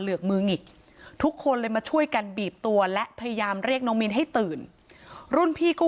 เหลือกมือหงิกทุกคนเลยมาช่วยกันบีบตัวและพยายามเรียกน้องมิ้นให้ตื่นรุ่นพี่ก็